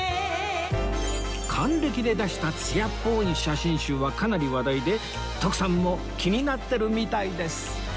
還暦で出した艶っぽい写真集はかなり話題で徳さんも気になってるみたいです